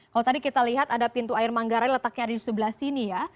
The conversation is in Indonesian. kalau tadi kita lihat ada pintu air manggarai letaknya ada di sebelah sini ya